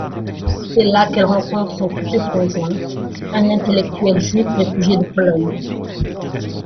C'est là qu'elle rencontre son futur conjoint, un intellectuel juif réfugié de Pologne.